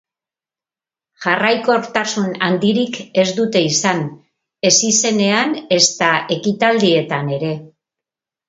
Jarraikortasun handirik ez dute izan, ez izenean ezta ekitaldietan ere.